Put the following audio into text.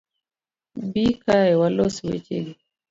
Bi kae walos weche gi